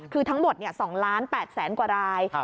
คือทั้งหมด๒๘๐๐๐๐๐บาท